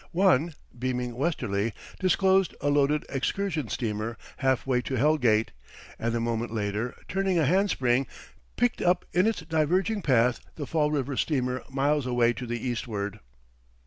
One, beaming westerly, disclosed a loaded excursion steamer half way to Hell Gate, and, a moment later, turning a hand spring, picked up in its diverging path the Fall River steamer miles away to the eastward.